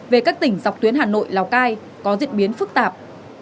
về các tỉnh dọc tuyến hà nội lào cai có diễn biến phức tạp